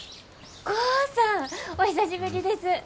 豪さんお久しぶりです。